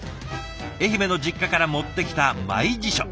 愛媛の実家から持ってきたマイ辞書。